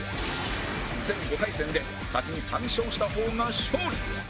全５回戦で先に３勝した方が勝利